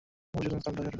মধুসূদন স্তব্ধ হয়ে রইল।